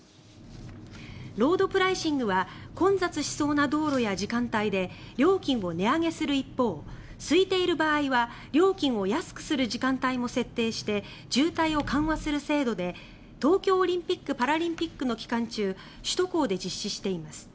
ロードプライシングは混雑しそうな道路や時間帯で料金を値上げする一方すいている場合は料金を安くする時間帯も設定して渋滞を緩和する制度で東京オリンピック・パラリンピックの期間中首都高で実施しています。